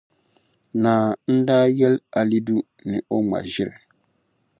Naa daa yɛli Alidu ni o ŋma ʒiri.